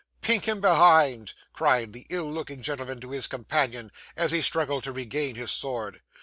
'"Pink him behind!" cried the ill looking gentleman to his companion, as he struggled to regain his sword.